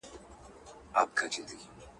تر يو خروار زرو، يوه ذره عقل ښه دئ.